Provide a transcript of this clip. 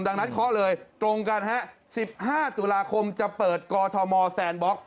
ดังนั้นเคาะเลยตรงกันฮะ๑๕ตุลาคมจะเปิดกอทมแซนบล็อก